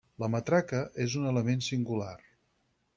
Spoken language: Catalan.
La matraca és un element singular.